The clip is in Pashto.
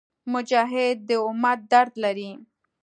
مجاهد د امت درد لري.